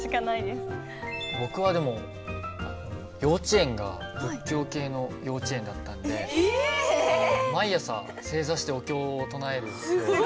僕はでも幼稚園が仏教系の幼稚園だったんで毎朝正座してお経を唱えるような幼稚園だったんで。